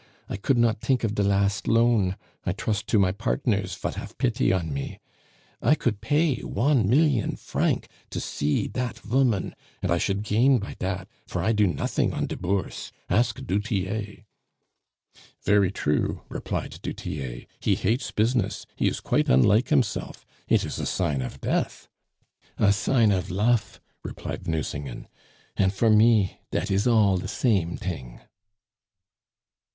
I could not tink of de last loan I trust to my partners vat haf pity on me. I could pay one million franc to see dat voman and I should gain by dat, for I do nothing on de Bourse. Ask du Tillet." "Very true," replied du Tillet; "he hates business; he is quite unlike himself; it is a sign of death." "A sign of lof," replied Nucingen; "and for me, dat is all de same ting."